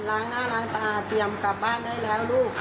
ล้างหน้าล้างตาเตรียมกลับบ้านได้แล้วลูก